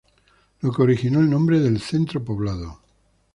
Lo que originó el nombre del centro poblado.